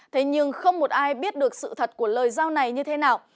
thế nhưng không một ai biết được sự thật của lời giao này như thế nào